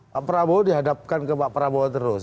pak prabowo dihadapkan ke pak prabowo terus